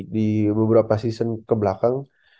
di beberapa season kebelakang